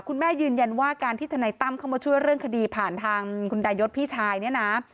ยืนยันว่าการที่ทนายตั้มเข้ามาช่วยเรื่องคดีผ่านทางคุณดายศพี่ชายเนี่ยนะ